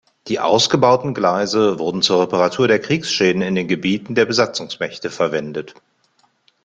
Die ausgebauten Gleise wurden zur Reparatur der Kriegsschäden in den Gebieten der Besatzungsmächte verwendet.